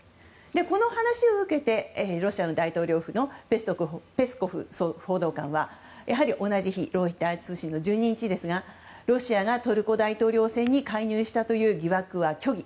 この話を受けてロシア大統領府のペスコフ報道官はやはり同じ日ロイター通信の１２日ですがロシアがトルコ大統領選に介入したという疑惑は虚偽。